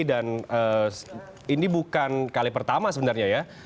dan ini bukan kali pertama sebenarnya ya